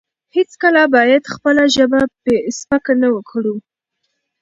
هیڅکله باید خپله ژبه سپکه نه کړو.